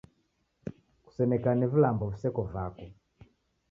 Kusenekane vilambo viseko vako